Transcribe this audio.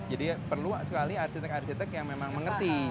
jadi perlu sekali arsitek arkitek yang memang mengerti